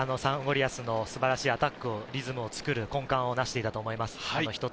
リアスの素晴らしいアタックのリズムを作る根幹を成していたと思います。